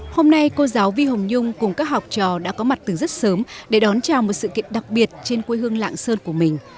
hôm nay cô giáo vi hồng nhung cùng các học trò đã có mặt từ rất sớm để đón chào một sự kiện đặc biệt trên quê hương lạng sơn của mình